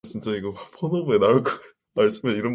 주린 창자는 음식 맛을 보더니 더욱더욱 비어지며